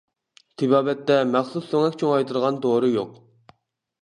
تېبابەتتە مەخسۇس سۆڭەك چوڭايتىدىغان دورا يوق.